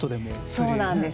そうなんです